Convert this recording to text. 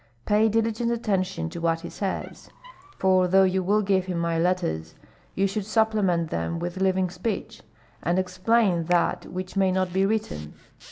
Pay diligent attention to what he says; for though you will give him my letters, you should supplement them with living speech, and explain that which may not be written.